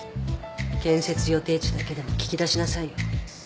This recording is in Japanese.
建設予定地だけでも聞きだしなさいよ。